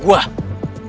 boy tuh harus tau